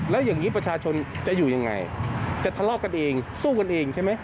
แล้วอย่างนี้ประชาชนจะอยู่ยังไงจะทะเลาะกันเองสู้กันเองใช่ไหม